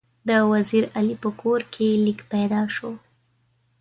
د وزیر علي په کور کې لیک پیدا شو.